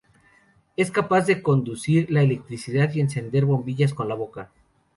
Es capaz de conducir la electricidad y encender bombillas con la boca.